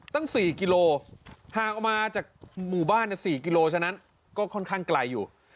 ตั้ง๔กิโลห่างออกมาจากหมู่บ้าน๔กิโลฉะนั้นก็ค่อนข้างไกลอยู่